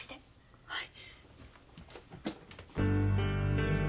はい。